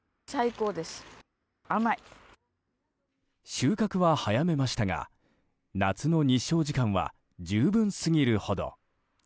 収穫は早めましたが夏の日照時間は十分すぎるほど。